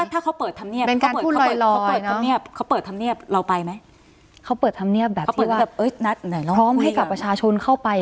ถ้าเปิดทำเนียบเปิดทำเนียบเราไปไหม